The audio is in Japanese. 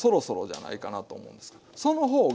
その方が。